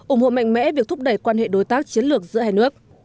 ủng hộ mạnh mẽ việc thúc đẩy quan hệ đối tác chiến lược giữa hai nước